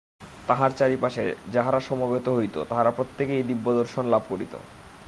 তাঁহার চারিপাশে যাহারা সমবেত হইত, তাহারা প্রত্যেকেই দিব্যদর্শন লাভ করিত।